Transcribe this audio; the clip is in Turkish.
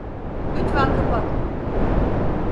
Lütfen kapatma.